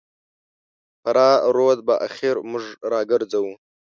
فراه رود به اخر موږ راګرځوو.